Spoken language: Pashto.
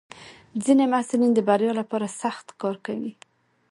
ځینې محصلین د بریا لپاره سخت کار کوي.